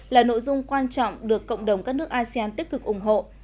là nội dung quan trọng được cộng đồng các nước asean tích cực ủng hộ